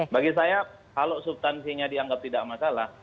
bagi saya kalau subtansinya dianggap tidak masalah